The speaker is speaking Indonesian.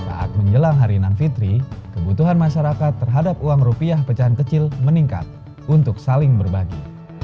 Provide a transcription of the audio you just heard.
saat menjelang hari nan fitri kebutuhan masyarakat terhadap uang rupiah pecahan kecil meningkat untuk saling berbagi